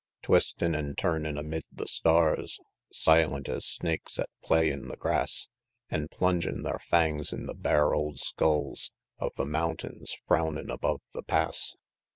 Twistin' an' turnin' amid the stars, Silent as snakes at play in the grass, An' plungin' thar fangs in the bare old skulls Of the mountains, frownin' above the Pass.